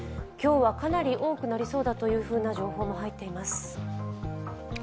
今日はかなり多くなりそうだという情報も入っています。